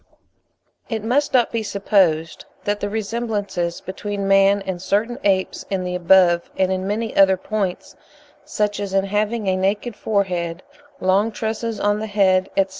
It must not be supposed that the resemblances between man and certain apes in the above and in many other points—such as in having a naked forehead, long tresses on the head, etc.